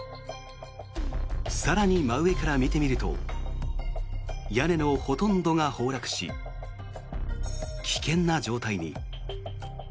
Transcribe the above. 更に真上から見てみると屋根のほとんどが崩落し危険な状態に。